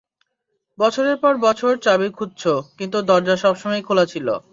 বছরের পর বছর তুমি চাবি খুঁজছো, কিন্তু দরজা সবসময়ই খোলা ছিল।